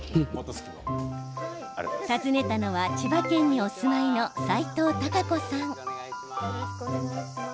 訪ねたのは千葉県にお住まいの齊藤孝子さん。